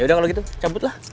yaudah kalau gitu cabutlah